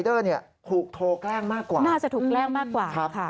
พี่รายเดอร์เนี่ยถูกโทรแกล้งมากกว่าน่าจะถูกแกล้งมากกว่าค่ะ